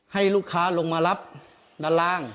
ให้ลูกค้าลงมารับด้านล่าง